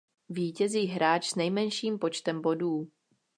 Vítězí hráč s nejmenším počtem bodů.